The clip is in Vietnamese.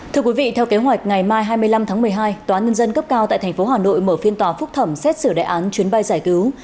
thưa quý vị theo kế hoạch ngày mai hai mươi năm tháng một mươi hai tòa nhân dân cấp cao tại tp hà nội mở phiên tòa phúc thẩm xét xử đại án chuyến bay giải cứu